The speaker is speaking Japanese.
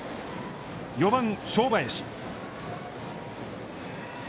４番正林。